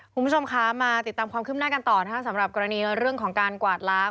คุณผู้ชมคะมาติดตามความคืบหน้ากันต่อนะคะสำหรับกรณีเรื่องของการกวาดล้าง